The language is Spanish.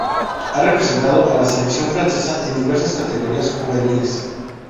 Ha representado a la selección francesa en diversas categorías juveniles.